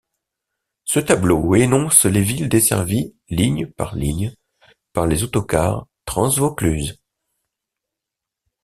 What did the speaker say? Ce tableau énonce les villes desservies ligne par ligne par les autocars TransVaucluse.